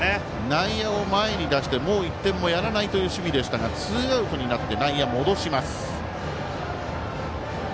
内野を前に出してもう１点もやらないという守備でしたがツーアウトになって内野、戻します。